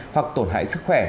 hoặc tổn hại sức khỏe